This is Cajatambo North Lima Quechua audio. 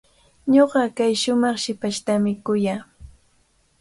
Ñuqa kay shumaq hipashtami kuyaa.